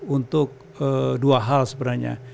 untuk dua hal sebenarnya